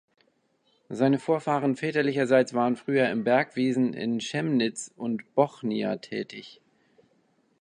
Seine Vorfahren väterlicherseits waren früher im Bergwesen in Schemnitz und Bochnia tätig.